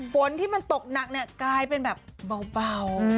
ฝนที่มันตกหนักเนี่ยกลายเป็นแบบเบา